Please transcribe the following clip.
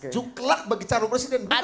juklak bagi caro presiden